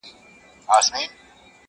جهاني تا چي به یې شپې په کیسو سپینې کړلې٫